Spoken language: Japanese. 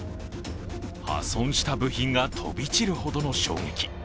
破損した部品が飛び散るほどの衝撃。